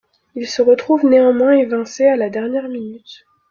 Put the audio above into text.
Il se retrouve néanmoins évincé à la dernière minute.